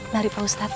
mari pak ustadz